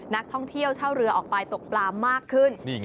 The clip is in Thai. นักท่องเที่ยวเช่าเรือออกไปตกปลามากขึ้น